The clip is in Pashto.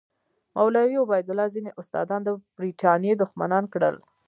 مولوي عبیدالله ځینې استادان د برټانیې دښمنان کړل.